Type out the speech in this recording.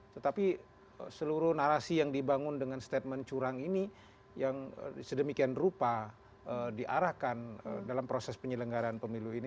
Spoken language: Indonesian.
tetapi seluruh narasi yang dibangun dengan statement curang ini yang sedemikian rupa diarahkan dalam proses penyelenggaraan pemilu ini